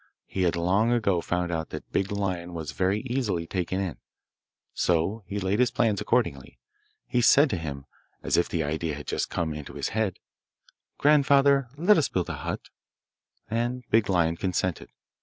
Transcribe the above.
He had long ago found out that Big Lion was very easily taken in; so he laid his plans accordingly. He said to him, as if the idea had just come into his head, 'Grandfather, let us build a hut,' and Big Lion consented.